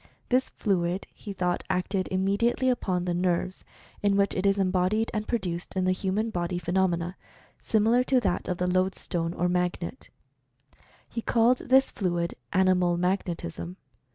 This "fluid" he thought acted immediately upon the Story of Mental Fascination 33 nerves, in which it is embodied, and produced in the human body phenomena similar to that of the lode stone or magnet. He called this fluid "animal mag netism."